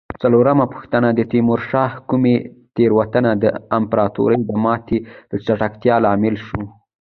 څلورمه پوښتنه: د تیمورشاه کومې تېروتنه د امپراتورۍ د ماتې د چټکتیا لامل شوې؟